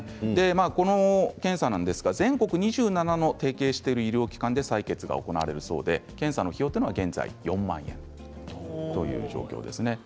この検査なんですが全国２７の提携している医療機関で採血が行われるそうで検査の費用は現在４万円です。